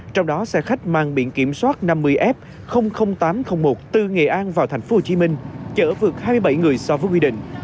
trong đó xe khách mang biển kiểm soát năm mươi f tám trăm linh một từ nghệ an vào thành phố hồ chí minh chở vượt hai mươi bảy người so với quy định